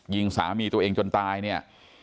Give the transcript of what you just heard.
ยิงสามีตัวเองจนตายเนี่ย